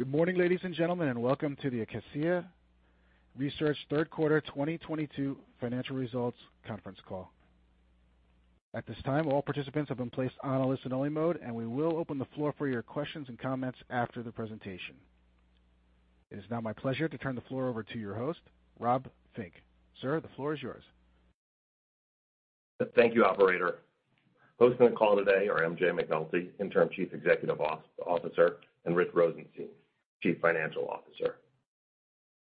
Good morning, ladies and gentlemen, and welcome to the Acacia Research third quarter 2022 financial results conference call. At this time, all participants have been placed on a listen only mode, and we will open the floor for your questions and comments after the presentation. It is now my pleasure to turn the floor over to your host, Rob Fink. Sir, the floor is yours. Thank you, operator. Hosting the call today are MJ McNulty, Interim Chief Executive Officer, and Rich Rosenstein, Chief Financial Officer.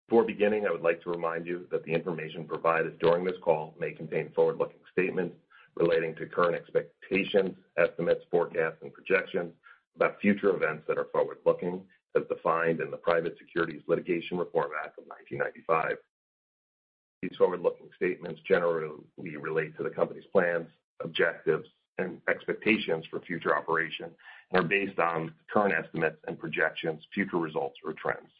Before beginning, I would like to remind you that the information provided during this call may contain forward-looking statements relating to current expectations, estimates, forecasts, and projections about future events that are forward-looking as defined in the Private Securities Litigation Reform Act of 1995. These forward-looking statements generally relate to the company's plans, objectives, and expectations for future operation and are based on current estimates and projections, future results or trends.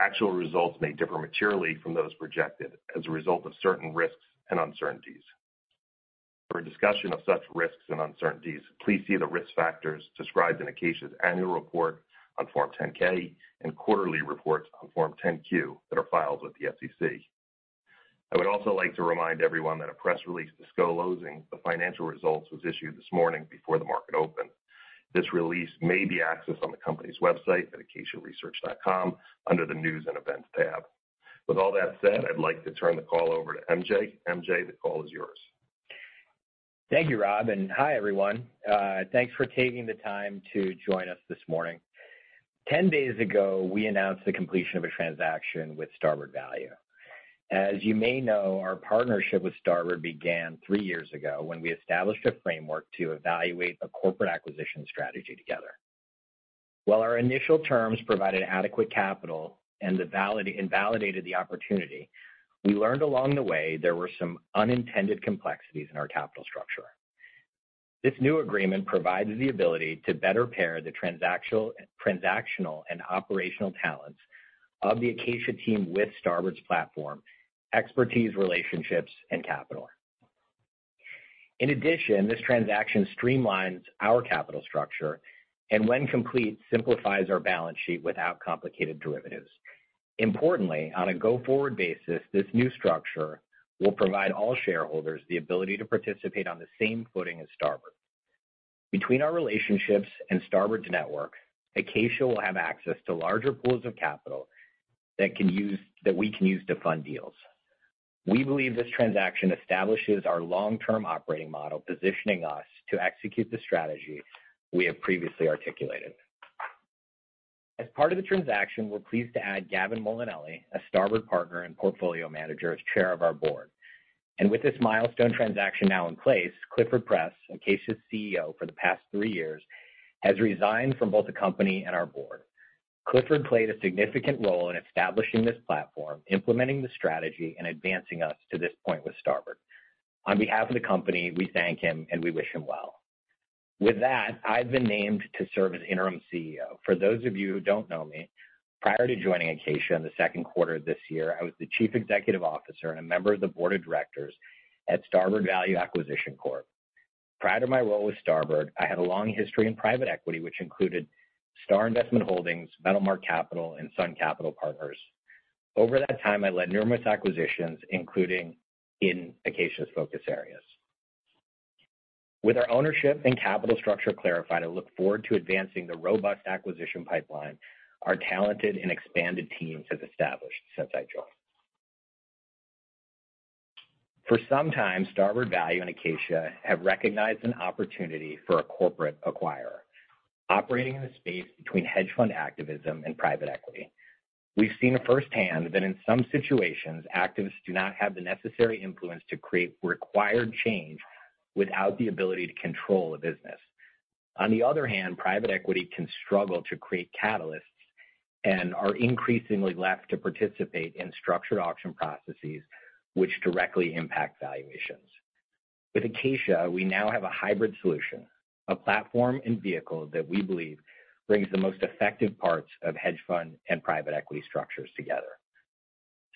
Actual results may differ materially from those projected as a result of certain risks and uncertainties. For a discussion of such risks and uncertainties, please see the risk factors described in Acacia's annual report on Form 10-K and quarterly reports on Form 10-Q that are filed with the SEC. I would also like to remind everyone that a press release disclosing the financial results was issued this morning before the market opened. This release may be accessed on the company's website at acaciaresearch.com under the News and Events tab. With all that said, I'd like to turn the call over to MJ. MJ, the call is yours. Thank you, Rob, and hi, everyone. Thanks for taking the time to join us this morning. 10 days ago, we announced the completion of a transaction with Starboard Value. As you may know, our partnership with Starboard began three years ago when we established a framework to evaluate a corporate acquisition strategy together. While our initial terms provided adequate capital and validated the opportunity, we learned along the way there were some unintended complexities in our capital structure. This new agreement provides the ability to better pair the transactional and operational talents of the Acacia team with Starboard's platform, expertise, relationships, and capital. In addition, this transaction streamlines our capital structure and when complete, simplifies our balance sheet without complicated derivatives. Importantly, on a go-forward basis, this new structure will provide all shareholders the ability to participate on the same footing as Starboard. Between our relationships and Starboard's network, Acacia will have access to larger pools of capital that we can use to fund deals. We believe this transaction establishes our long-term operating model, positioning us to execute the strategy we have previously articulated. As part of the transaction, we're pleased to add Gavin Molinelli, a Starboard partner and portfolio manager, as chair of our board. With this milestone transaction now in place, Clifford Press, Acacia's CEO for the past three years, has resigned from both the company and our board. Clifford played a significant role in establishing this platform, implementing the strategy, and advancing us to this point with Starboard. On behalf of the company, we thank him, and we wish him well. With that, I've been named to serve as interim CEO. For those of you who don't know me, prior to joining Acacia in the second quarter of this year, I was the Chief Executive Officer and a member of the board of directors at Starboard Value Acquisition Corp. Prior to my role with Starboard, I had a long history in private equity, which included Starr Investment Holdings, Metalmark Capital, and Sun Capital Partners. Over that time, I led numerous acquisitions, including in Acacia's focus areas. With our ownership and capital structure clarified, I look forward to advancing the robust acquisition pipeline our talented and expanded teams have established since I joined. For some time, Starboard Value and Acacia have recognized an opportunity for a corporate acquirer operating in the space between hedge fund activism and private equity. We've seen firsthand that in some situations, activists do not have the necessary influence to create required change without the ability to control a business. On the other hand, private equity can struggle to create catalysts and are increasingly left to participate in structured auction processes which directly impact valuations. With Acacia, we now have a hybrid solution, a platform, and vehicle that we believe brings the most effective parts of hedge fund and private equity structures together.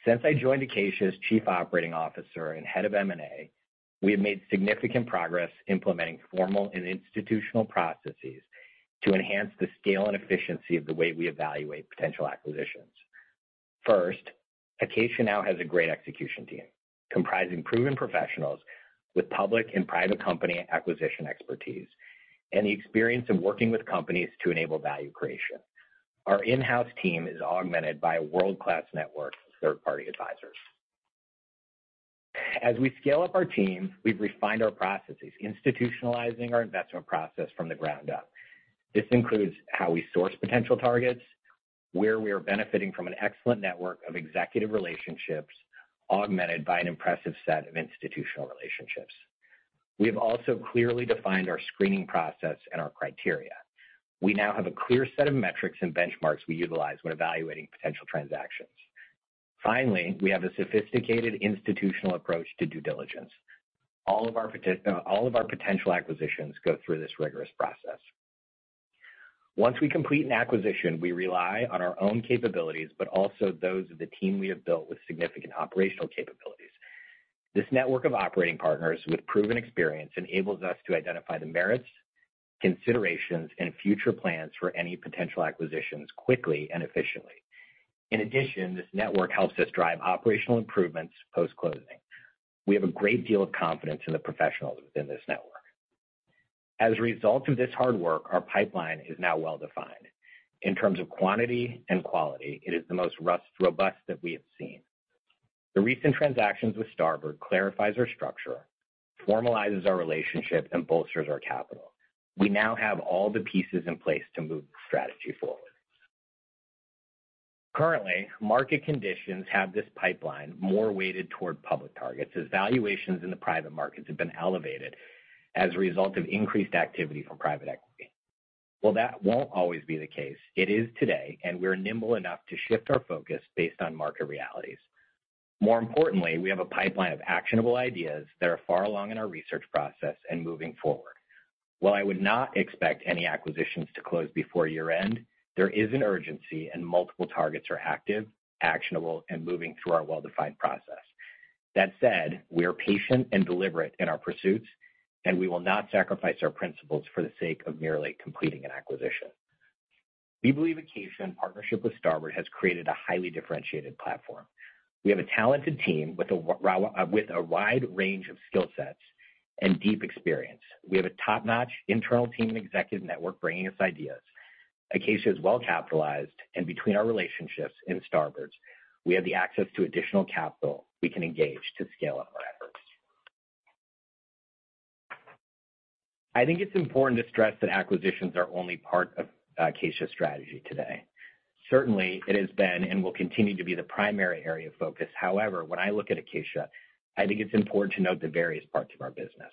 Since I joined Acacia as Chief Operating Officer and Head of M&A, we have made significant progress implementing formal and institutional processes to enhance the scale and efficiency of the way we evaluate potential acquisitions. First, Acacia now has a great execution team comprising proven professionals with public and private company acquisition expertise and the experience in working with companies to enable value creation. Our in-house team is augmented by a world-class network of third-party advisors. As we scale up our team, we've refined our processes, institutionalizing our investment process from the ground up. This includes how we source potential targets, where we are benefiting from an excellent network of executive relationships, augmented by an impressive set of institutional relationships. We have also clearly defined our screening process and our criteria. We now have a clear set of metrics and benchmarks we utilize when evaluating potential transactions. Finally, we have a sophisticated institutional approach to due diligence. All of our potential acquisitions go through this rigorous process. Once we complete an acquisition, we rely on our own capabilities, but also those of the team we have built with significant operational capabilities. This network of operating partners with proven experience enables us to identify the merits, considerations, and future plans for any potential acquisitions quickly and efficiently. In addition, this network helps us drive operational improvements post-closing. We have a great deal of confidence in the professionals within this network. As a result of this hard work, our pipeline is now well-defined. In terms of quantity and quality, it is the most robust that we have seen. The recent transactions with Starboard clarifies our structure, formalizes our relationship, and bolsters our capital. We now have all the pieces in place to move the strategy forward. Currently, market conditions have this pipeline more weighted toward public targets, as valuations in the private markets have been elevated as a result of increased activity from private equity. While that won't always be the case, it is today, and we're nimble enough to shift our focus based on market realities. More importantly, we have a pipeline of actionable ideas that are far along in our research process and moving forward. While I would not expect any acquisitions to close before year-end, there is an urgency and multiple targets are active, actionable, and moving through our well-defined process. That said, we are patient and deliberate in our pursuits, and we will not sacrifice our principles for the sake of merely completing an acquisition. We believe Acacia in partnership with Starboard has created a highly differentiated platform. We have a talented team with a wide range of skill sets and deep experience. We have a top-notch internal team and executive network bringing us ideas. Acacia is well-capitalized, and between our relationships and Starboard's, we have the access to additional capital we can engage to scale up our efforts. I think it's important to stress that acquisitions are only part of Acacia's strategy today. Certainly, it has been and will continue to be the primary area of focus. However, when I look at Acacia, I think it's important to note the various parts of our business.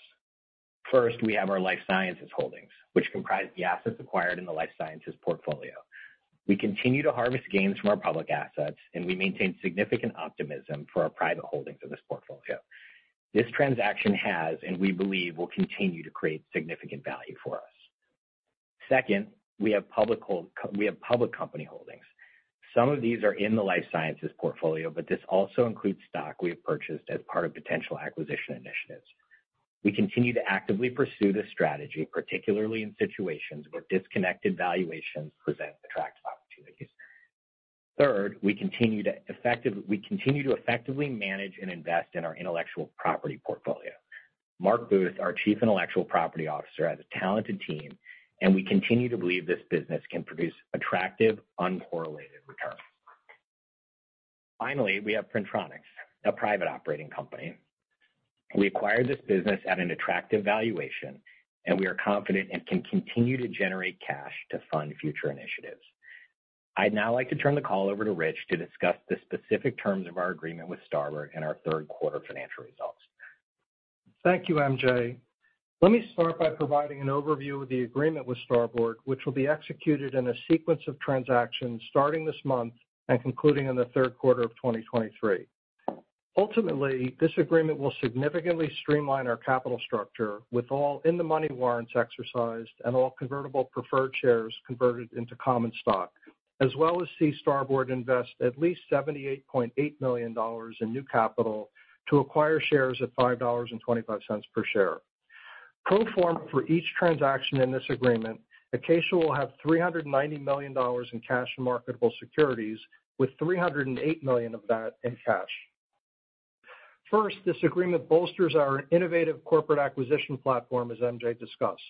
First, we have our life sciences holdings, which comprise the assets acquired in the life sciences portfolio. We continue to harvest gains from our public assets, and we maintain significant optimism for our private holdings in this portfolio. This transaction has, and we believe, will continue to create significant value for us. Second, we have public company holdings. Some of these are in the life sciences portfolio, but this also includes stock we have purchased as part of potential acquisition initiatives. We continue to actively pursue this strategy, particularly in situations where disconnected valuations present attractive opportunities. Third, we continue to effectively manage and invest in our Intellectual Property portfolio. Marc Booth, our Chief Intellectual Property Officer, has a talented team, and we continue to believe this business can produce attractive, uncorrelated returns. Finally, we have Printronix, a private operating company. We acquired this business at an attractive valuation, and we are confident it can continue to generate cash to fund future initiatives. I'd now like to turn the call over to Rich to discuss the specific terms of our agreement with Starboard and our third quarter financial results. Thank you, MJ. Let me start by providing an overview of the agreement with Starboard, which will be executed in a sequence of transactions starting this month and concluding in the third quarter of 2023. Ultimately, this agreement will significantly streamline our capital structure with all in-the-money warrants exercised and all convertible preferred shares converted into common stock, as well as see Starboard invest at least $78.8 million in new capital to acquire shares at $5.25 per share. Pro forma for each transaction in this agreement, Acacia will have $390 million in cash and marketable securities, with $308 million of that in cash. First, this agreement bolsters our innovative corporate acquisition platform, as MJ discussed.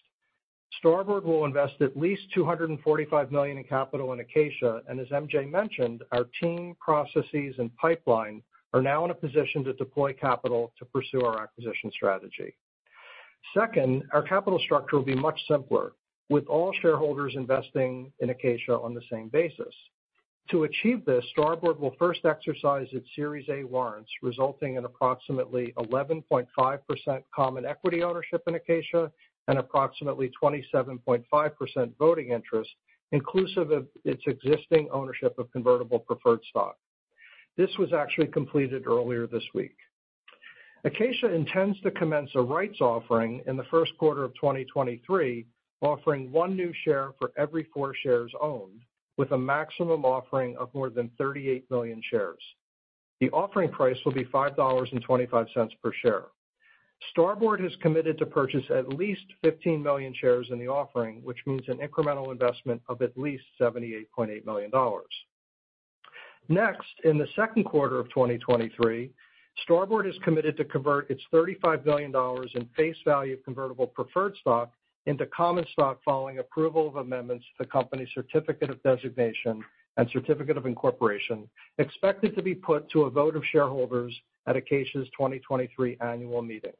Starboard will invest at least $245 million in capital in Acacia, and as MJ mentioned, our team, processes, and pipeline are now in a position to deploy capital to pursue our acquisition strategy. Second, our capital structure will be much simpler, with all shareholders investing in Acacia on the same basis. To achieve this, Starboard will first exercise its Series A Warrants, resulting in approximately 11.5% common equity ownership in Acacia and approximately 27.5% voting interest, inclusive of its existing ownership of convertible preferred stock. This was actually completed earlier this week. Acacia intends to commence a rights offering in the first quarter of 2023, offering one new share for every four shares owned, with a maximum offering of more than 38 million shares. The offering price will be $5.25 per share. Starboard has committed to purchase at least 15 million shares in the offering, which means an incremental investment of at least $78.8 million. Next, in the second quarter of 2023, Starboard has committed to convert its $35 million in face value of convertible preferred stock into common stock following approval of amendments to the company's certificate of designation and certificate of incorporation, expected to be put to a vote of shareholders at Acacia's 2023 annual meeting.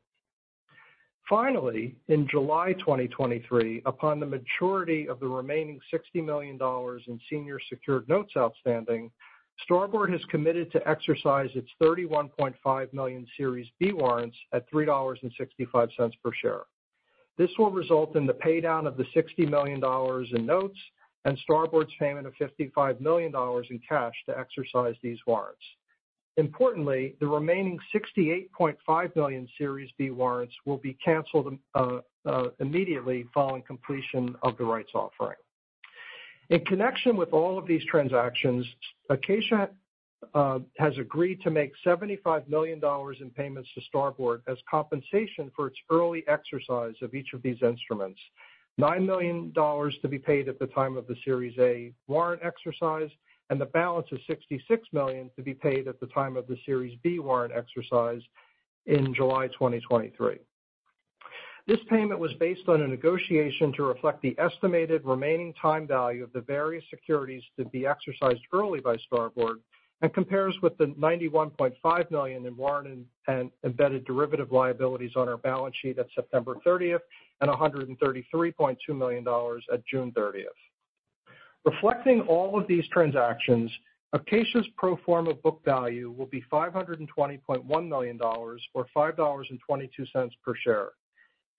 Finally, in July 2023, upon the maturity of the remaining $60 million in senior secured notes outstanding, Starboard has committed to exercise its 31.5 million Series B Warrants at $3.65 per share. This will result in the paydown of the $60 million in notes and Starboard's payment of $55 million in cash to exercise these warrants. Importantly, the remaining 68.5 million Series B Warrants will be canceled immediately following completion of the rights offering. In connection with all of these transactions, Acacia has agreed to make $75 million in payments to Starboard as compensation for its early exercise of each of these instruments. $9 million to be paid at the time of the Series A Warrant exercise, and the balance of $66 million to be paid at the time of the Series B Warrant exercise in July 2023. This payment was based on a negotiation to reflect the estimated remaining time value of the various securities to be exercised early by Starboard and compares with the $91.5 million in warrant and embedded derivative liabilities on our balance sheet on September 30, and $133.2 million on June 30. Reflecting all of these transactions, Acacia's pro forma book value will be $520.1 million or $5.22 per share.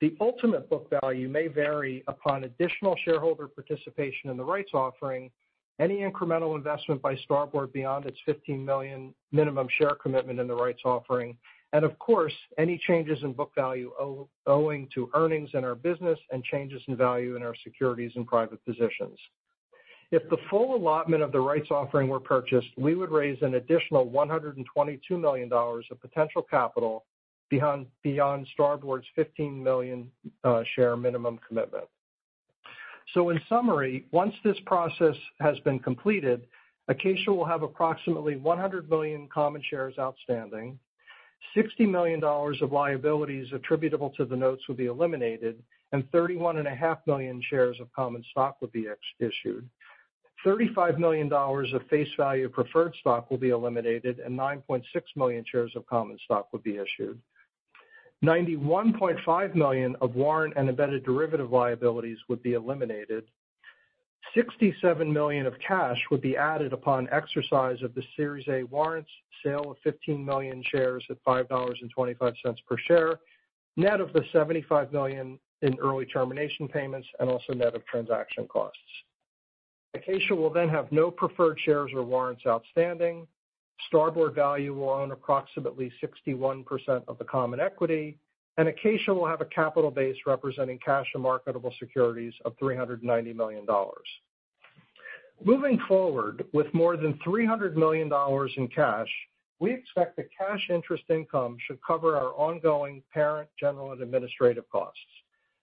The ultimate book value may vary upon additional shareholder participation in the rights offering, any incremental investment by Starboard beyond its 15 million minimum share commitment in the rights offering, and of course, any changes in book value owing to earnings in our business and changes in value in our securities and private positions. If the full allotment of the rights offering were purchased, we would raise an additional $122 million of potential capital beyond Starboard's 15 million share minimum commitment. In summary, once this process has been completed, Acacia will have approximately 100 million common shares outstanding. $60 million of liabilities attributable to the notes will be eliminated, and 31.5 million shares of common stock will be issued. $35 million of face value of preferred stock will be eliminated, and 9.6 million shares of common stock will be issued. 91.5 million of warrant and embedded derivative liabilities would be eliminated. 67 million of cash would be added upon exercise of the Series A Warrants, sale of 15 million shares at $5.25 per share, net of the $75 million in early termination payments, and also net of transaction costs. Acacia will then have no preferred shares or warrants outstanding. Starboard Value will own approximately 61% of the common equity, and Acacia will have a capital base representing cash and marketable securities of $390 million. Moving forward, with more than $300 million in cash, we expect the cash interest income should cover our ongoing parent, general, and administrative costs.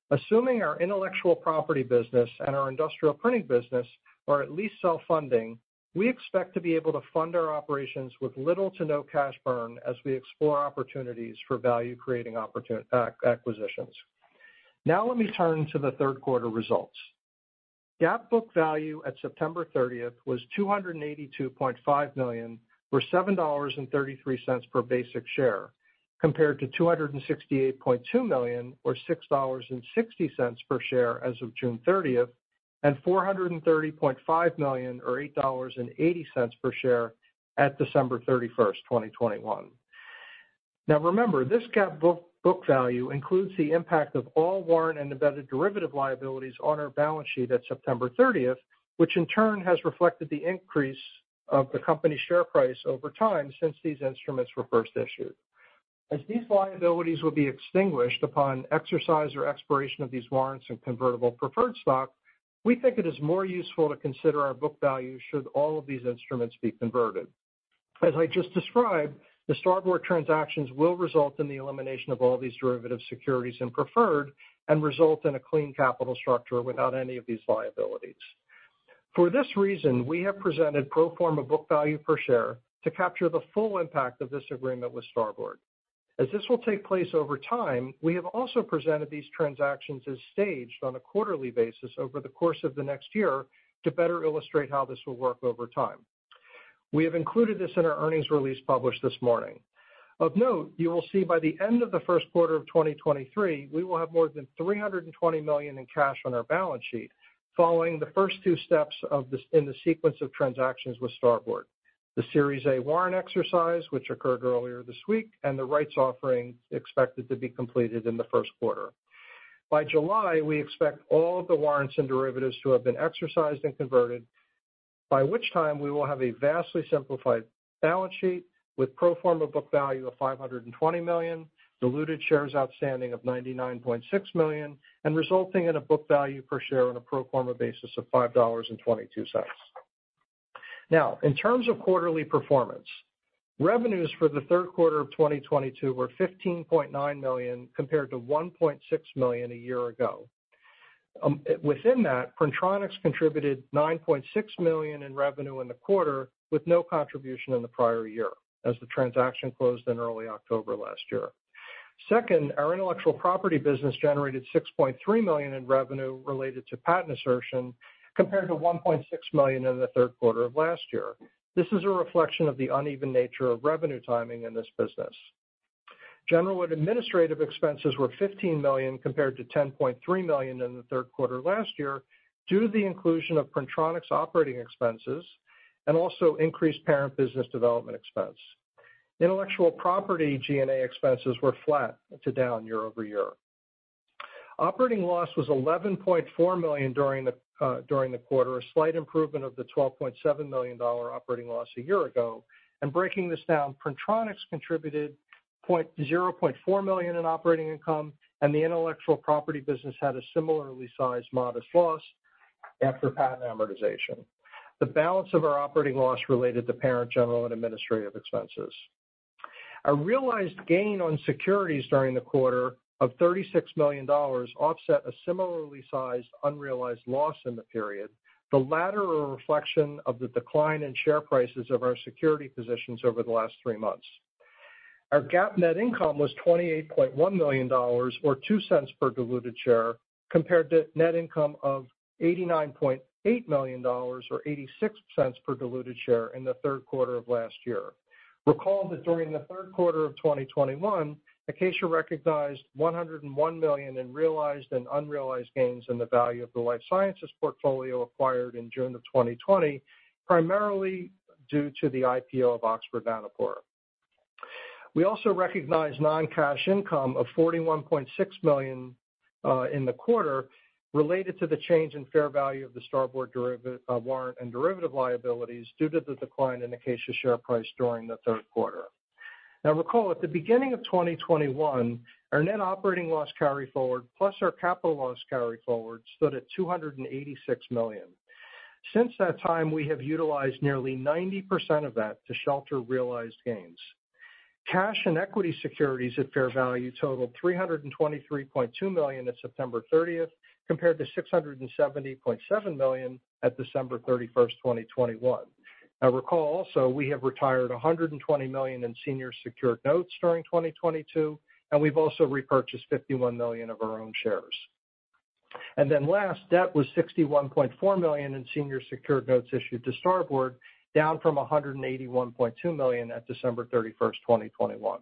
Assuming our Intellectual Property business and our Industrial printing business are at least self-funding, we expect to be able to fund our operations with little to no cash burn as we explore opportunities for value-creating acquisitions. Now let me turn to the third quarter results. GAAP book value on September 30 was $282.5 million, or $7.33 per basic share, compared to $268.2 million or $6.60 per share as of June 30, and $430.5 million or $8.80 per share on December 31, 2021. Now remember, this GAAP book value includes the impact of all warrant and embedded derivative liabilities on our balance sheet on September 30, which in turn has reflected the increase of the company's share price over time since these instruments were first issued. As these liabilities will be extinguished upon exercise or expiration of these warrants and convertible preferred stock, we think it is more useful to consider our book value should all of these instruments be converted. As I just described, the Starboard transactions will result in the elimination of all these derivative securities and preferred, and result in a clean capital structure without any of these liabilities. For this reason, we have presented pro forma book value per share to capture the full impact of this agreement with Starboard. As this will take place over time, we have also presented these transactions as staged on a quarterly basis over the course of the next year to better illustrate how this will work over time. We have included this in our earnings release published this morning. Of note, you will see by the end of the first quarter of 2023, we will have more than $320 million in cash on our balance sheet following the first two steps of the sequence of transactions with Starboard. The Series A Warrant exercise, which occurred earlier this week, and the rights offering expected to be completed in the first quarter. By July, we expect all of the warrants and derivatives to have been exercised and converted, by which time we will have a vastly simplified balance sheet with pro forma book value of $520 million, diluted shares outstanding of 99.6 million, and resulting in a book value per share on a pro forma basis of $5.22. Now, in terms of quarterly performance, revenues for the third quarter of 2022 were $15.9 million, compared to $1.6 million a year ago. Within that, Printronix contributed $9.6 million in revenue in the quarter, with no contribution in the prior year, as the transaction closed in early October last year. Second, our Intellectual Property business generated $6.3 million in revenue related to patent assertion, compared to $1.6 million in the third quarter of last year. This is a reflection of the uneven nature of revenue timing in this business. General and administrative expenses were $15 million compared to $10.3 million in the third quarter last year due to the inclusion of Printronix operating expenses and also increased parent business development expense. Intellectual property G&A expenses were flat to down year-over-year. Operating loss was $11.4 million during the quarter, a slight improvement of the $12.7 million operating loss a year ago. Breaking this down, Printronix contributed $0.4 million in operating income and the Intellectual Property business had a similarly sized modest loss after patent amortization. The balance of our operating loss related to parent general and administrative expenses. A realized gain on securities during the quarter of $36 million offset a similarly sized unrealized loss in the period, the latter a reflection of the decline in share prices of our security positions over the last three months. Our GAAP net income was $28.1 million or $0.02 per diluted share, compared to net income of $89.8 million or $0.86 per diluted share in the third quarter of last year. Recall that during the third quarter of 2021, Acacia recognized $101 million in realized and unrealized gains in the value of the life sciences portfolio acquired in June of 2020, primarily due to the IPO of Oxford Nanopore. We also recognized non-cash income of $41.6 million in the quarter related to the change in fair value of the Starboard warrant and derivative liabilities due to the decline in Acacia's share price during the third quarter. Now recall, at the beginning of 2021, our net operating loss carryforward, plus our capital loss carryforward stood at $286 million. Since that time, we have utilized nearly 90% of that to shelter realized gains. Cash and equity securities at fair value totaled $323.2 million on September 30th, compared to $670.7 million on December 31st, 2021. Now recall also, we have retired $120 million in senior secured notes during 2022, and we've also repurchased 51 million of our own shares. Debt was $61.4 million in senior secured notes issued to Starboard, down from $181.2 million on December 31st, 2021.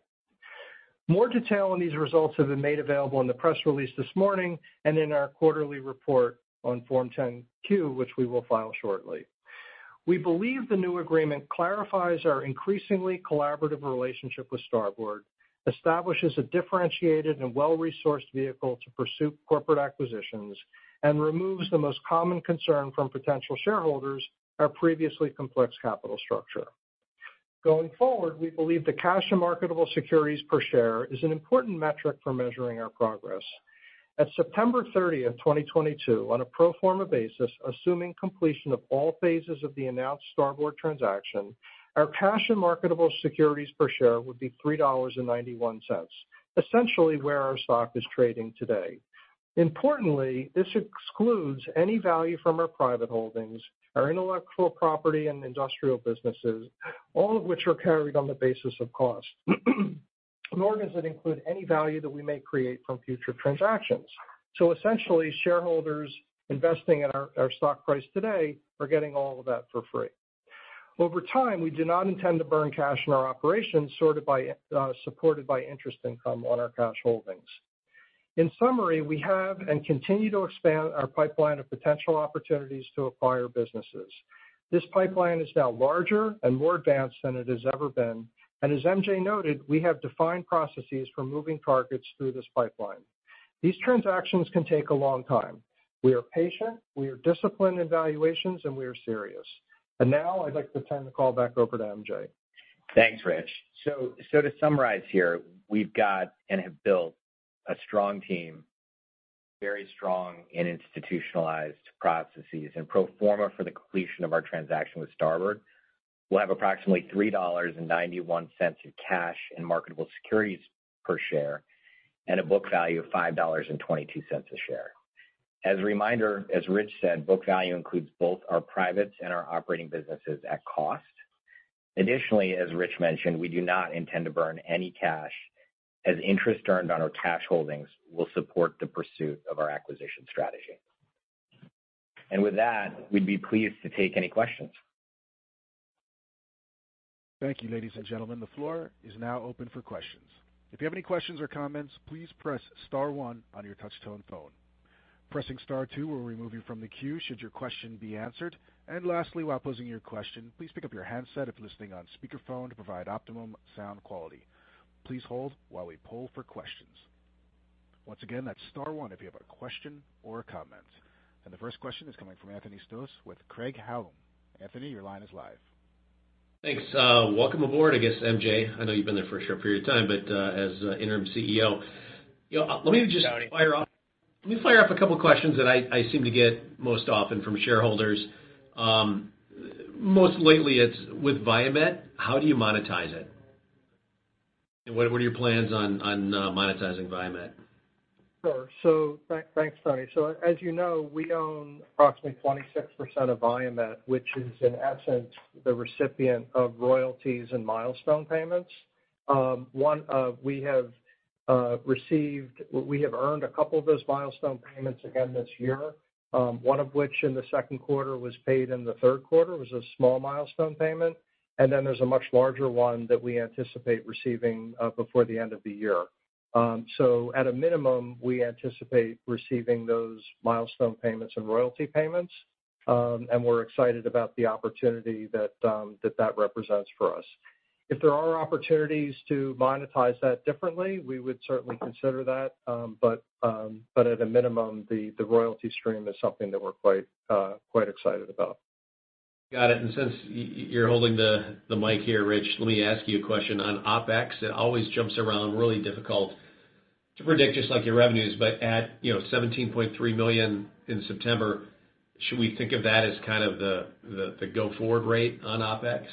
More detail on these results has been made available in the press release this morning and in our quarterly report on Form 10-Q, which we will file shortly. We believe the new agreement clarifies our increasingly collaborative relationship with Starboard, establishes a differentiated and well-resourced vehicle to pursue corporate acquisitions, and removes the most common concern from potential shareholders, our previously complex capital structure. Going forward, we believe the cash and marketable securities per share is an important metric for measuring our progress. On September 30th, 2022, on a pro forma basis, assuming completion of all phases of the announced Starboard transaction, our cash and marketable securities per share would be $3.91, essentially where our stock is trading today. Importantly, this excludes any value from our private holdings, our Intellectual Property and Industrial businesses, all of which are carried on the basis of cost. Nor does it include any value that we may create from future transactions. Essentially, shareholders investing in our stock price today are getting all of that for free. Over time, we do not intend to burn cash in our operations supported by interest income on our cash holdings. In summary, we have and continue to expand our pipeline of potential opportunities to acquire businesses. This pipeline is now larger and more advanced than it has ever been. As MJ noted, we have defined processes for moving targets through this pipeline. These transactions can take a long time. We are patient, we are disciplined in valuations, and we are serious. Now I'd like to turn the call back over to MJ. Thanks, Rich. To summarize here, we've got and have built a strong team, very strong in institutionalized processes. In pro forma for the completion of our transaction with Starboard, we'll have approximately $3.91 in cash and marketable securities per share and a book value of $5.22 a share. As a reminder, as Rich said, book value includes both our privates and our operating businesses at cost. Additionally, as Rich mentioned, we do not intend to burn any cash as interest earned on our cash holdings will support the pursuit of our acquisition strategy. With that, we'd be pleased to take any questions. Thank you, ladies and gentlemen. The floor is now open for questions. If you have any questions or comments, please press star one on your touch-tone phone. Pressing star two will remove you from the queue should your question be answered. Lastly, while posing your question, please pick up your handset if you're listening on speakerphone to provide optimum sound quality. Please hold while we poll for questions. Once again, that's star one if you have a question or a comment. The first question is coming from Anthony Stoss with Craig-Hallum. Anthony, your line is live. Thanks. Welcome aboard, I guess, MJ. I know you've been there for a short period of time, but as interim CEO. You know, Howdy. Let me fire off a couple of questions that I seem to get most often from shareholders. Most lately it's with Viamet. How do you monetize it? And what are your plans on monetizing Viamet? Sure. Thanks, Anthony. As you know, we own approximately 26% of Viamet, which is in essence the recipient of royalties and milestone payments. We have earned a couple of those milestone payments again this year, one of which in the second quarter was paid in the third quarter. It was a small milestone payment. There's a much larger one that we anticipate receiving before the end of the year. At a minimum, we anticipate receiving those milestone payments and royalty payments, and we're excited about the opportunity that that represents for us. If there are opportunities to monetize that differently, we would certainly consider that. At a minimum, the royalty stream is something that we're quite excited about. Got it. Since you're holding the mic here, Rich, let me ask you a question on OpEx. It always jumps around, really difficult to predict, just like your revenues, but at, you know, $17.3 million in September, should we think of that as kind of the go forward rate on OpEx?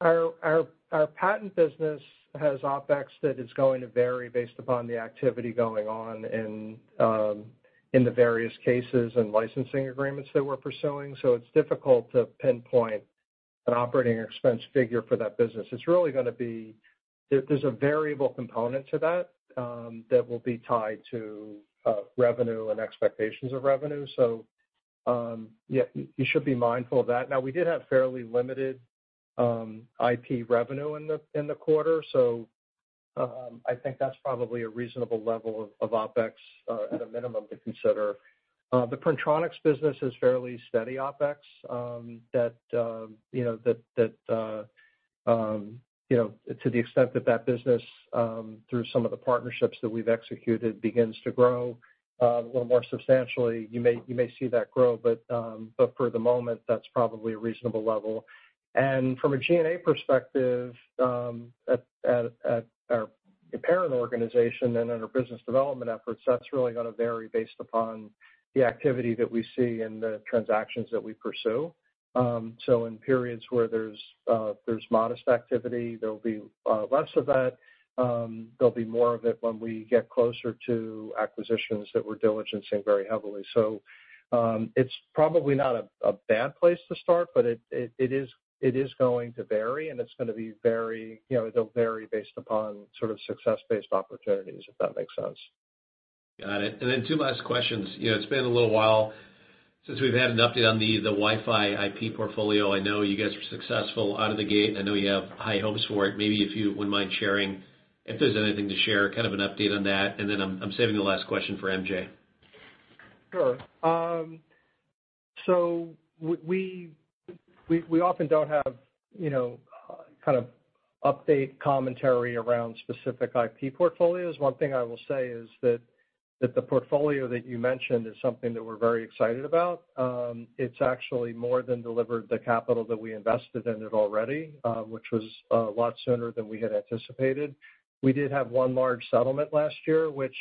Our patent business has OpEx that is going to vary based upon the activity going on in the various cases and licensing agreements that we're pursuing. It's difficult to pinpoint an operating expense figure for that business. It's really gonna be. There's a variable component to that that will be tied to revenue and expectations of revenue. You should be mindful of that. Now, we did have fairly limited IP revenue in the quarter. I think that's probably a reasonable level of OpEx at a minimum to consider. The Printronix business is fairly steady OpEx, you know, to the extent that that business, through some of the partnerships that we've executed begins to grow, a little more substantially, you may see that grow. For the moment, that's probably a reasonable level. From a G&A perspective, at our parent organization and in our business development efforts, that's really gonna vary based upon the activity that we see and the transactions that we pursue. In periods where there's modest activity, there'll be less of that. There'll be more of it when we get closer to acquisitions that we're diligencing very heavily. It's probably not a bad place to start, but it is going to vary, and it's gonna be very, you know, it'll vary based upon sort of success-based opportunities, if that makes sense. Got it. Two last questions. You know, it's been a little while since we've had an update on the Wi-Fi IP portfolio. I know you guys were successful out of the gate, and I know you have high hopes for it. Maybe if you wouldn't mind sharing, if there's anything to share, kind of an update on that. I'm saving the last question for MJ. Sure. We often don't have, you know, kind of update commentary around specific IP portfolios. One thing I will say is that the portfolio that you mentioned is something that we're very excited about. It's actually more than delivered the capital that we invested in it already, which was a lot sooner than we had anticipated. We did have one large settlement last year, which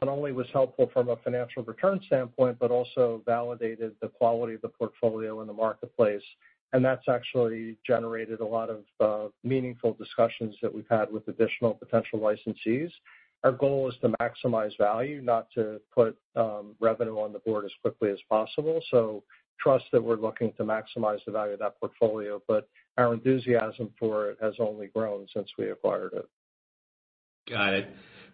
not only was helpful from a financial return standpoint, but also validated the quality of the portfolio in the marketplace, and that's actually generated a lot of meaningful discussions that we've had with additional potential licensees. Our goal is to maximize value, not to put revenue on the board as quickly as possible. Trust that we're looking to maximize the value of that portfolio, but our enthusiasm for it has only grown since we acquired it. Got it.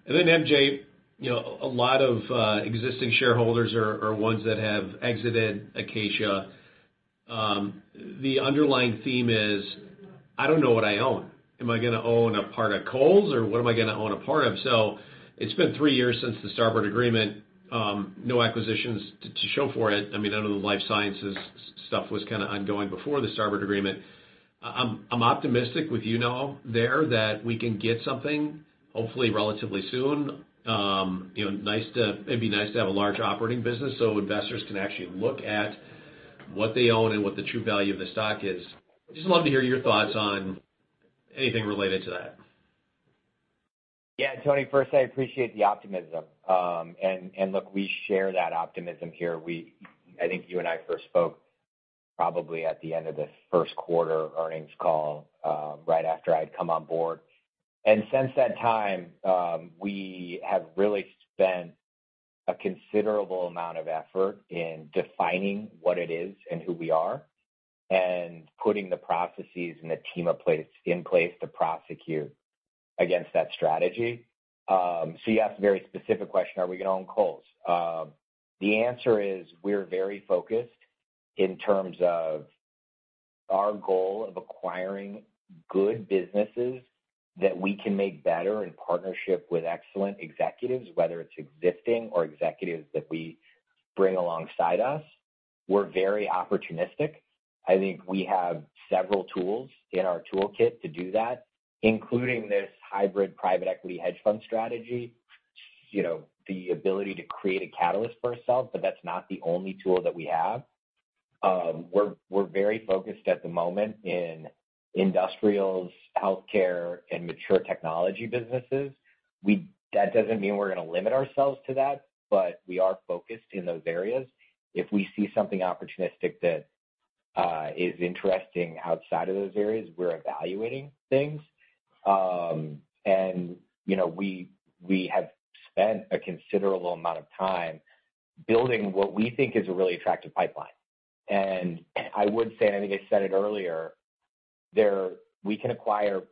MJ, you know, a lot of existing shareholders are ones that have exited Acacia. The underlying theme is, I don't know what I own. Am I gonna own a part of Kohl's or what am I gonna own a part of? It's been three years since the Starboard agreement. No acquisitions to show for it. I mean, I know the life sciences stuff was kinda ongoing before the Starboard agreement. I'm optimistic with you now there that we can get something hopefully relatively soon. You know, it'd be nice to have a large operating business, so investors can actually look at what they own and what the true value of the stock is. Just love to hear your thoughts on anything related to that. Yeah, Anthony, first, I appreciate the optimism. Look, we share that optimism here. I think you and I first spoke probably at the end of the first quarter earnings call, right after I'd come on board. Since that time, we have really spent a considerable amount of effort in defining what it is and who we are, and putting the processes and the team in place to prosecute against that strategy. You asked a very specific question, are we gonna own Kohl's? The answer is we're very focused in terms of our goal of acquiring good businesses that we can make better in partnership with excellent executives, whether it's existing or executives that we bring alongside us. We're very opportunistic. I think we have several tools in our toolkit to do that, including this hybrid private equity hedge fund strategy. You know, the ability to create a catalyst for ourselves, but that's not the only tool that we have. We're very focused at the moment in industrials, healthcare, and mature technology businesses. That doesn't mean we're gonna limit ourselves to that, but we are focused in those areas. If we see something opportunistic that is interesting outside of those areas, we're evaluating things. You know, we have spent a considerable amount of time building what we think is a really attractive pipeline. I would say, and I think I said it earlier, we can acquire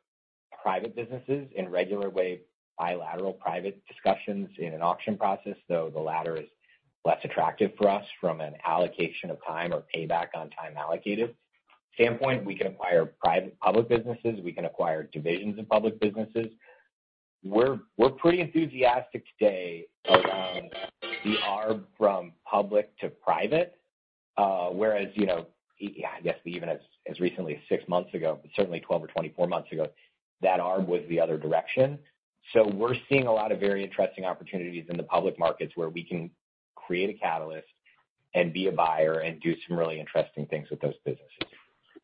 private businesses in regular way, bilateral private discussions in an auction process, though the latter is less attractive for us from an allocation of time or payback on time allocated standpoint. We can acquire private or public businesses, we can acquire divisions of public businesses. We're pretty enthusiastic today around the arb from public to private. Whereas, you know, I guess even as recently as six months ago, but certainly 12 or 24 months ago, that arb was the other direction. We're seeing a lot of very interesting opportunities in the public markets where we can create a catalyst and be a buyer and do some really interesting things with those businesses.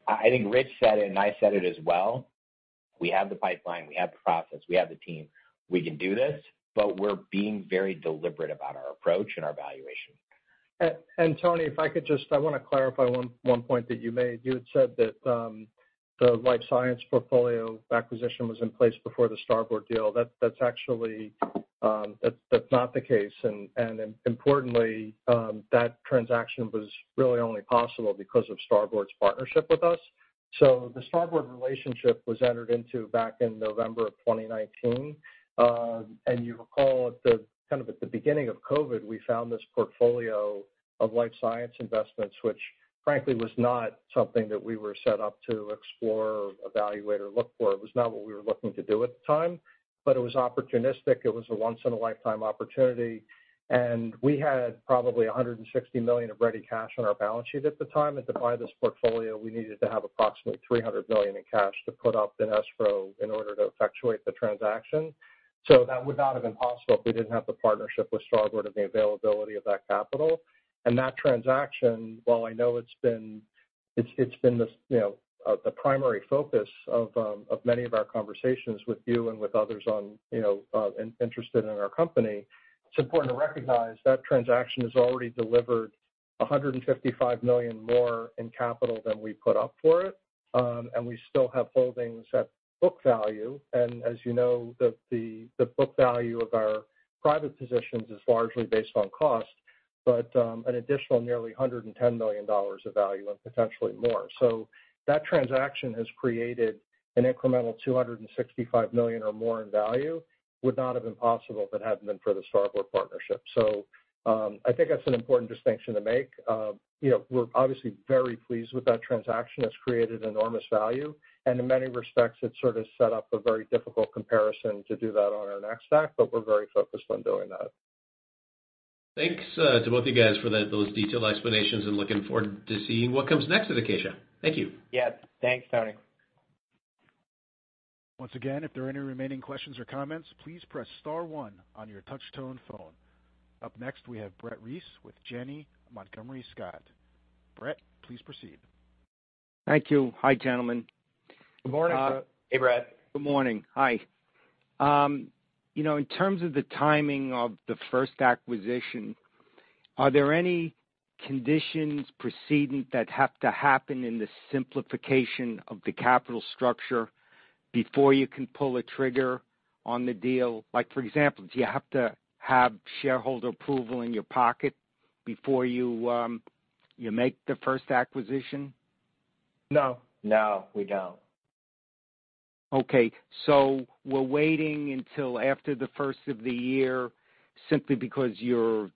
I think Rich said it, and I said it as well, we have the pipeline, we have the process, we have the team. We can do this, but we're being very deliberate about our approach and our valuation. Tony, if I could just, I want to clarify one point that you made. You had said that the life science portfolio acquisition was in place before the Starboard deal. That's actually not the case. Importantly, that transaction was really only possible because of Starboard's partnership with us. The Starboard relationship was entered into back in November of 2019. You recall at the beginning of COVID-19, we found this portfolio of life science investments, which frankly was not something that we were set up to explore, evaluate, or look for. It was not what we were looking to do at the time, but it was opportunistic. It was a once in a lifetime opportunity, and we had probably $160 million of ready cash on our balance sheet at the time. To buy this portfolio, we needed to have approximately $300 million in cash to put up in escrow in order to effectuate the transaction. That would not have been possible if we didn't have the partnership with Starboard and the availability of that capital. That transaction, while I know it's been this, you know, the primary focus of many of our conversations with you and with others on, you know, interested in our company, it's important to recognize that transaction has already delivered $155 million more in capital than we put up for it. We still have holdings at book value. As you know, the book value of our private positions is largely based on cost, but an additional nearly $110 million of value and potentially more. That transaction has created an incremental $265 million or more in value. Would not have been possible if it hadn't been for the Starboard partnership. I think that's an important distinction to make. You know, we're obviously very pleased with that transaction. It's created enormous value, and in many respects, it sort of set up a very difficult comparison to do that on our next act, but we're very focused on doing that. Thanks, to both you guys for that, those detailed explanations, and looking forward to seeing what comes next with Acacia. Thank you. Yes. Thanks, Anthony. Once again, if there are any remaining questions or comments, please press star one on your touch tone phone. Up next, we have Brett Reiss with Janney Montgomery Scott. Brett, please proceed. Thank you. Hi, gentlemen. Good morning, Brett. Hey, Brett. Good morning. Hi. You know, in terms of the timing of the first acquisition, are there any conditions precedent that have to happen in the simplification of the capital structure before you can pull a trigger on the deal? Like, for example, do you have to have shareholder approval in your pocket before you make the first acquisition? No. No, we don't. Okay, we're waiting until after the first of the year simply because you're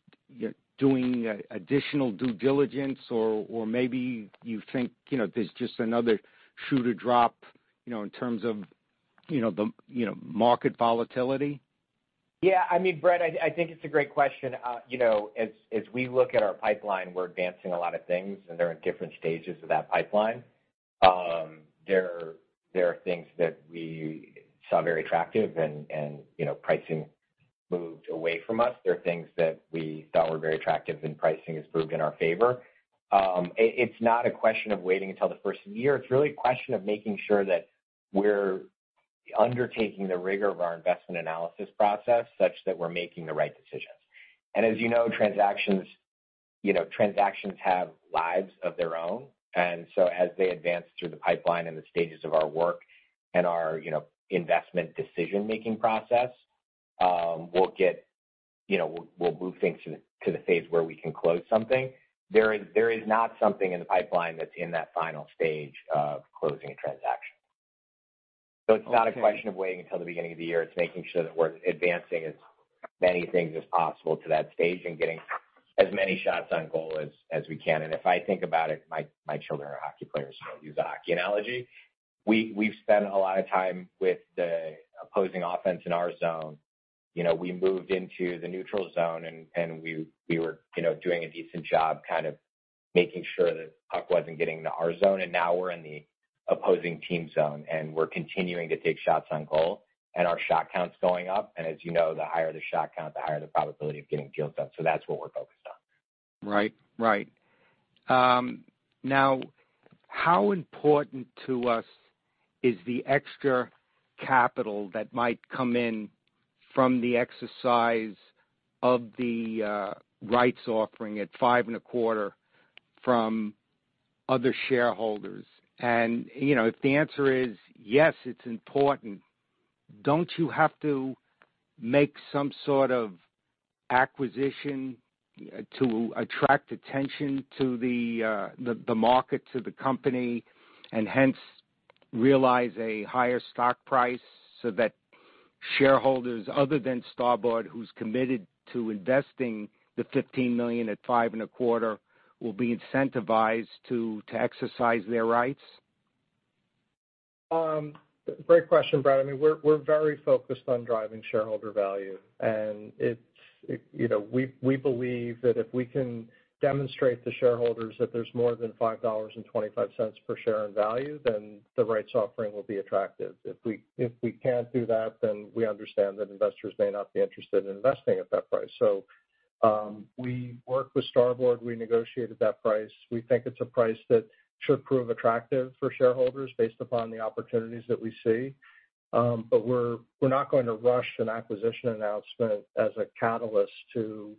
doing additional due diligence or maybe you think, you know, there's just another shoe to drop, you know, in terms of, you know, the, you know, market volatility. Yeah. I mean, Brett, I think it's a great question. You know, as we look at our pipeline, we're advancing a lot of things, and they're in different stages of that pipeline. There are things that we saw very attractive and you know, pricing moved away from us. There are things that we thought were very attractive and pricing has moved in our favor. It's not a question of waiting until the first of the year. It's really a question of making sure that we're undertaking the rigor of our investment analysis process such that we're making the right decisions. As you know, transactions, you know, transactions have lives of their own. As they advance through the pipeline and the stages of our work and our you know, investment decision-making process, we'll get. You know, we'll move things to the phase where we can close something. There is not something in the pipeline that's in that final stage of closing a transaction. Okay. It's not a question of waiting until the beginning of the year. It's making sure that we're advancing as many things as possible to that stage and getting as many shots on goal as we can. If I think about it, my children are hockey players, so I'll use a hockey analogy. We've spent a lot of time with the opposing offense in our zone. You know, we moved into the neutral zone and we were, you know, doing a decent job kind of making sure that puck wasn't getting to our zone. Now we're in the opposing team zone, and we're continuing to take shots on goal, and our shot count's going up. As you know, the higher the shot count, the higher the probability of getting deals done. That's what we're focused on. Now, how important to us is the extra capital that might come in from the exercise of the rights offering at $5.25 from other shareholders? You know, if the answer is yes, it's important, don't you have to make some sort of acquisition to attract attention to the market to the company, and hence realize a higher stock price so that shareholders other than Starboard, who's committed to investing the $15 million at $5.25, will be incentivized to exercise their rights? Great question, Brett. I mean, we're very focused on driving shareholder value, and it. You know, we believe that if we can demonstrate to shareholders that there's more than $5.25 per share in value, then the rights offering will be attractive. If we can't do that, then we understand that investors may not be interested in investing at that price. So, we worked with Starboard, we negotiated that price. We think it's a price that should prove attractive for shareholders based upon the opportunities that we see. But we're not going to rush an acquisition announcement as a catalyst to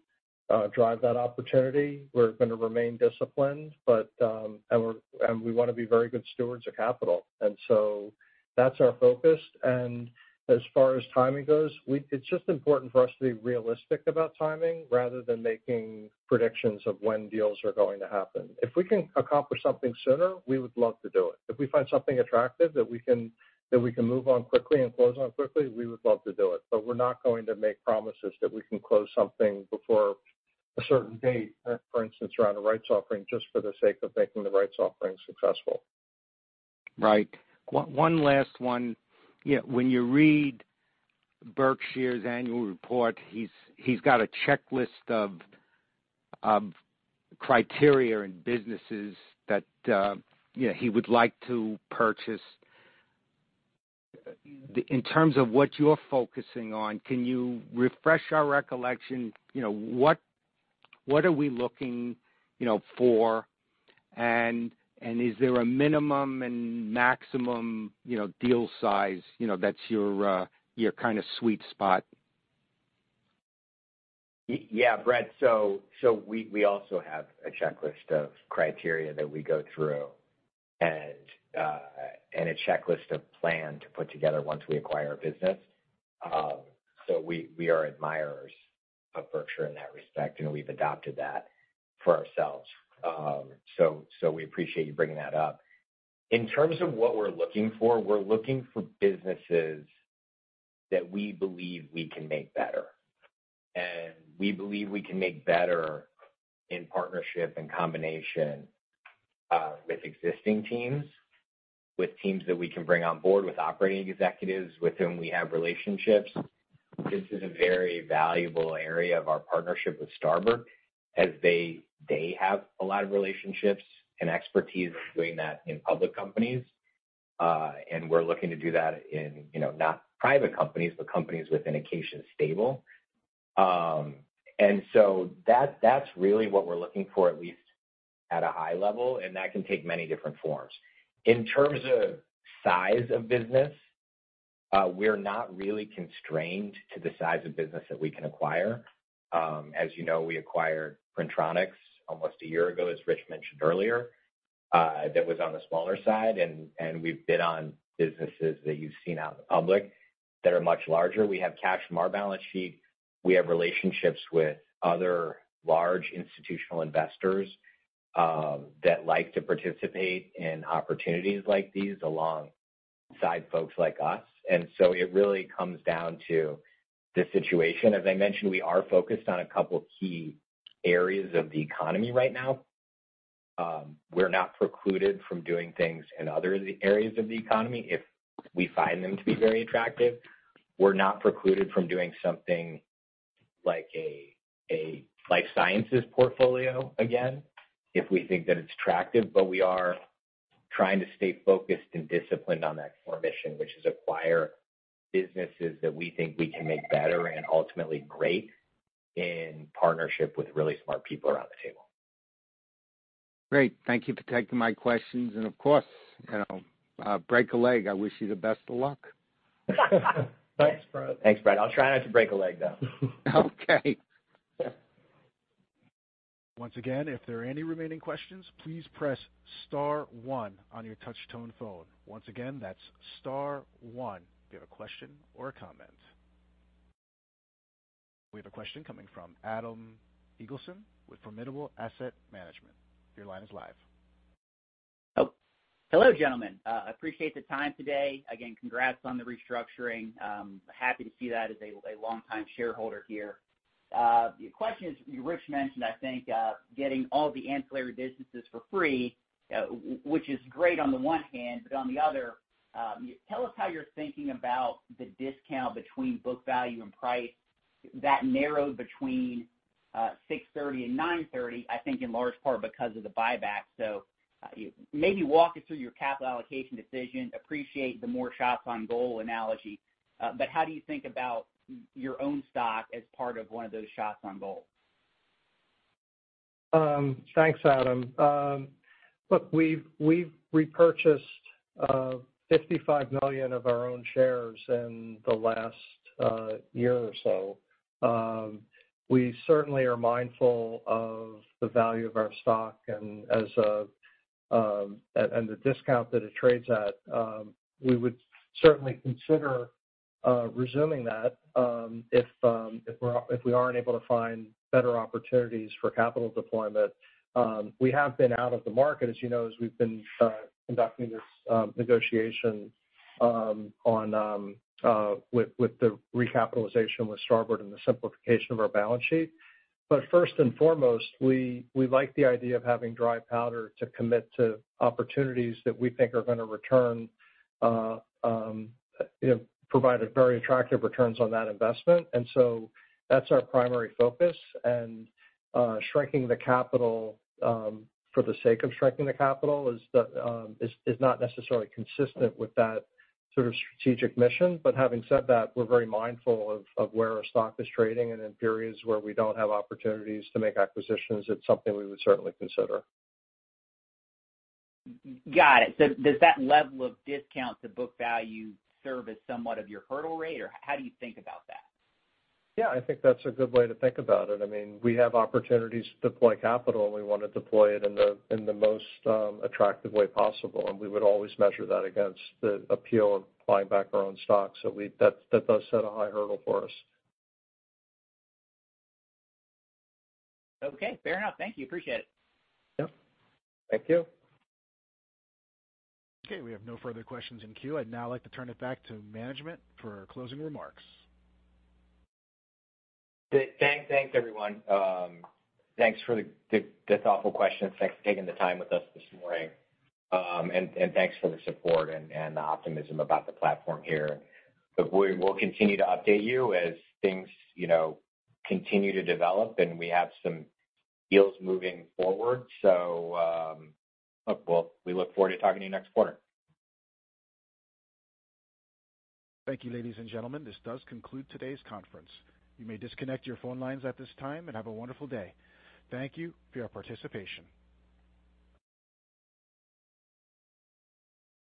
drive that opportunity. We're gonna remain disciplined, but we wanna be very good stewards of capital. That's our focus. As far as timing goes, it's just important for us to be realistic about timing rather than making predictions of when deals are going to happen. If we can accomplish something sooner, we would love to do it. If we find something attractive that we can move on quickly and close on quickly, we would love to do it. But we're not going to make promises that we can close something before a certain date, for instance, around a rights offering, just for the sake of making the rights offering successful. Right. One last one. You know, when you read Berkshire's annual report, he's got a checklist of criteria and businesses that, you know, he would like to purchase. In terms of what you're focusing on, can you refresh our recollection, you know, what are we looking, you know, for? Is there a minimum and maximum, you know, deal size, you know, that's your kinda sweet spot? Yeah, Brett. We also have a checklist of criteria that we go through and a checklist of plan to put together once we acquire a business. We are admirers of Berkshire in that respect, and we've adopted that for ourselves. We appreciate you bringing that up. In terms of what we're looking for, we're looking for businesses that we believe we can make better. We believe we can make better in partnership and combination with existing teams, with teams that we can bring on board, with operating executives with whom we have relationships. This is a very valuable area of our partnership with Starboard, as they have a lot of relationships and expertise in doing that in public companies. We're looking to do that in, you know, not private companies, but companies with an acquisition stable. That's really what we're looking for, at least at a high level, and that can take many different forms. In terms of size of business, we're not really constrained to the size of business that we can acquire. As you know, we acquired Printronix almost a year ago, as Rich mentioned earlier, that was on the smaller side, and we've bid on businesses that you've seen out in the public that are much larger. We have cash from our balance sheet. We have relationships with other large institutional investors that like to participate in opportunities like these alongside folks like us. It really comes down to the situation. As I mentioned, we are focused on a couple key areas of the economy right now. We're not precluded from doing things in other areas of the economy if we find them to be very attractive. We're not precluded from doing something like a life sciences portfolio again, if we think that it's attractive. We are trying to stay focused and disciplined on that core mission, which is acquire businesses that we think we can make better and ultimately great in partnership with really smart people around the table. Great. Thank you for taking my questions. Of course, you know, break a leg. I wish you the best of luck. Thanks, Brett. Thanks, Brett. I'll try not to break a leg, though. Okay. Once again, if there are any remaining questions, please press star one on your touch tone phone. Once again, that's star one if you have a question or a comment. We have a question coming from Adam Eagleston with Formidable Asset Management. Your line is live. Hello, gentlemen. Appreciate the time today. Again, congrats on the restructuring. Happy to see that as a longtime shareholder here. The question is, Rich mentioned, I think, getting all the ancillary businesses for free, which is great on the one hand, but on the other, tell us how you're thinking about the discount between book value and price. That narrowed between $6.30 and $9.30, I think in large part because of the buyback. Maybe walk us through your capital allocation decision. Appreciate the more shots on goal analogy. But how do you think about your own stock as part of one of those shots on goal? Thanks, Adam. Look, we've repurchased 55 million of our own shares in the last year or so. We certainly are mindful of the value of our stock and the discount that it trades at. We would certainly consider resuming that if we aren't able to find better opportunities for capital deployment. We have been out of the market, as you know, as we've been conducting this negotiation with the recapitalization with Starboard and the simplification of our balance sheet. First and foremost, we like the idea of having dry powder to commit to opportunities that we think are gonna return, you know, provide a very attractive returns on that investment. That's our primary focus. Shrinking the capital for the sake of shrinking the capital is not necessarily consistent with that sort of strategic mission. Having said that, we're very mindful of where our stock is trading and in periods where we don't have opportunities to make acquisitions, it's something we would certainly consider. Got it. Does that level of discount to book value serve as somewhat of your hurdle rate, or how do you think about that? Yeah, I think that's a good way to think about it. I mean, we have opportunities to deploy capital, and we wanna deploy it in the most attractive way possible, and we would always measure that against the appeal of buying back our own stock. That does set a high hurdle for us. Okay, fair enough. Thank you. Appreciate it. Yep. Thank you. Okay, we have no further questions in queue. I'd now like to turn it back to management for closing remarks. Thanks everyone. Thanks for the thoughtful questions. Thanks for taking the time with us this morning. Thanks for the support and the optimism about the platform here. We will continue to update you as things, you know, continue to develop, and we have some deals moving forward. We look forward to talking to you next quarter. Thank you, ladies and gentlemen, this does conclude today's conference. You may disconnect your phone lines at this time and have a wonderful day. Thank you for your participation.